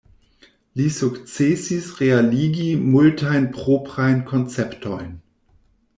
Li sukcesis realigi multajn proprajn konceptojn.